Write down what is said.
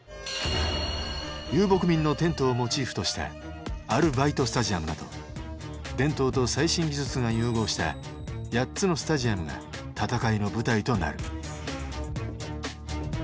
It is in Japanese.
遊牧民のテントをモチーフとしたアルバイトスタジアムなど伝統と最新技術が融合した８つのスタジアムが戦いの舞台となる。